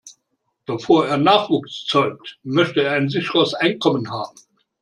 Bevor er Nachwuchs zeugt, möchte er ein sicheres Einkommen haben.